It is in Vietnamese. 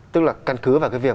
tức là căn cứ vào cái việc